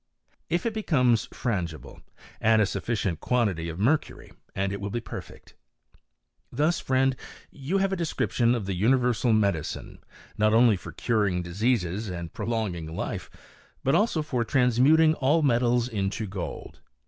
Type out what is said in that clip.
If it becomes frangible, add a sufficient quantity of mercury and it will be •perfect. Thus, friend, you have a description of the universal medicine, not only for curing diseases and prolonging life, but also for transmuting all metals into gold.